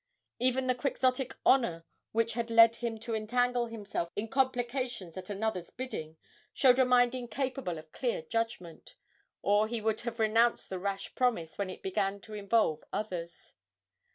Even the Quixotic honour which had led him to entangle himself in complications at another's bidding showed a mind incapable of clear judgment or he would have renounced the rash promise when it began to involve others.